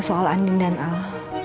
soal andin dan al